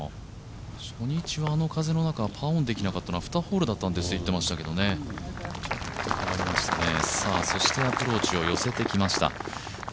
初日はあの風の中パーオンできなかったのは２ホールだったんですと言っていましたがアプローチを寄せてきました。